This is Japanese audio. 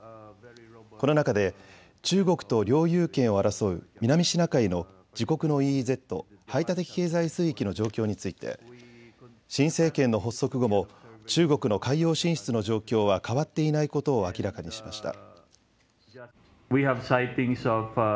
この中で中国と領有権を争う南シナ海の自国のＥＥＺ・排他的経済水域の状況について新政権の発足後も中国の海洋進出の状況は変わっていないことを明らかにしました。